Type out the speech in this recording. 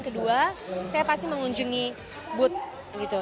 kedua saya pasti mengunjungi booth gitu